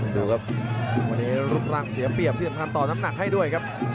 ดูครับวันนี้รูปร่างเสียเปรียบที่สำคัญต่อน้ำหนักให้ด้วยครับ